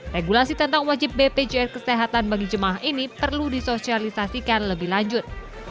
regulasi tentang wajib bpjs kesehatan bagi jemaah ini perlu disosialisasikan lebih lanjut